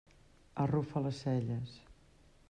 Arrufa les celles.